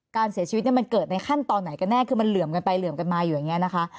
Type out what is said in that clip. การเสียชีวิตมันเกิดในขั้นตอนไหนกันแน่คือมันเหลื่อมกันไปเหลื่อมกันมาอยู่อย่างนี้นะคะ